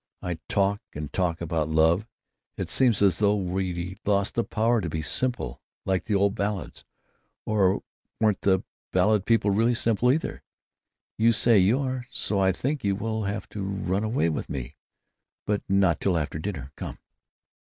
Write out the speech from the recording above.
I talk and talk about love; it seems as though we'd lost the power to be simple, like the old ballads. Or weren't the ballad people really simple, either? You say you are; so I think you will have to run away with me.... But not till after dinner! Come."